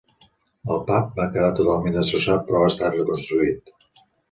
El pub va quedar totalment destrossat però ha estat reconstruït.